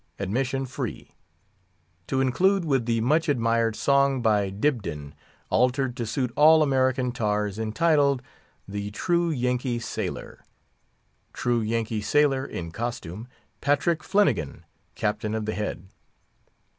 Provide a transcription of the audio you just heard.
:: Admission Free. To conclude with the much admired song by Dibdin, altered to suit all American Tars, entitled THE TRUE YANKEE SAILOR. True Yankee Sailor (in costume), Patrick Flinegan, Captain of the Head.